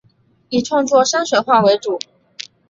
以创作山水画为主。